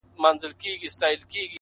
• کلونه کیږي بې ځوابه یې بې سواله یې،